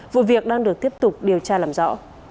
vụ việc đang được tiếp tục điều tra làm rõ